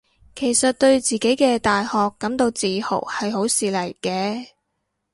其實對自己嘅大學感到自豪係好事嚟嘅